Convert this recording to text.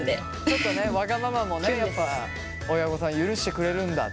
ちょっとねわがままもね親御さん許してくれるんだ。